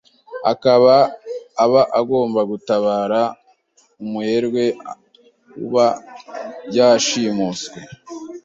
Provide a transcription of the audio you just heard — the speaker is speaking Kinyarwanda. akaba aba agomba gutabara umuherwe uba yashimuswe